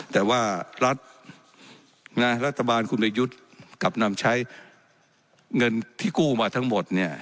แต่ว่ารัฐบาลคุณประยุทธ์กลับนำใช้เงินที่กู้มาทั้งหมดเนี่ย